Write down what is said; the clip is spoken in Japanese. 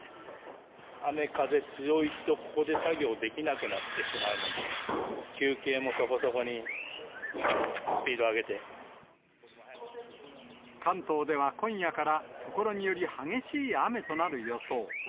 雨風強いと、ここで作業できなくなってしまうので、関東では今夜から、所により激しい雨となる予想。